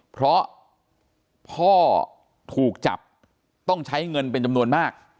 เพราะพ่อถูกจับต้องใช้เงินเป็นจำนวนมาก